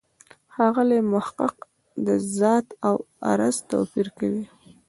ښاغلی محق د «ذات» او «عرض» توپیر کوي.